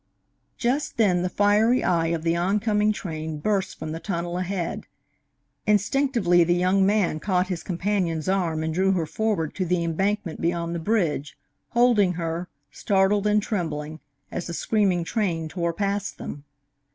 Just then the fiery eye of the oncoming train burst from the tunnel ahead. Instinctively, the young man caught his companion's arm and drew her forward to the embankment beyond the bridge, holding her, startled and trembling, as the screaming train tore past them.